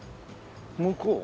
向こう？